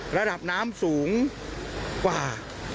ระดับน้ำสูงกว่า